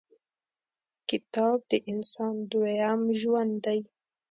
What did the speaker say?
• کتاب، د انسان دویم ژوند دی.